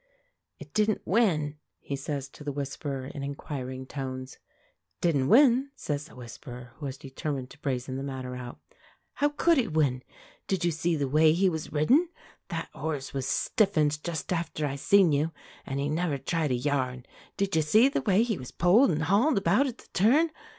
"It didn't win?" he says to the Whisperer in inquiring tones. "Didn't win," says the Whisperer, who has determined to brazen the matter out. "How could he win? Did you see the way he was ridden? That horse was stiffened just after I seen you, and he never tried a yard. Did you see the way he was pulled and hauled about at the turn?